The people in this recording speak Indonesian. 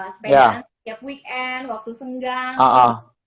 sepeda setiap weekend waktu senggang